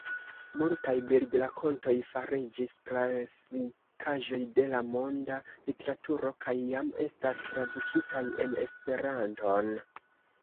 Multaj bildrakontoj fariĝis klasikaĵoj de la monda literaturo kaj jam estas tradukitaj en Esperanton.